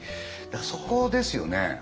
そこですよね。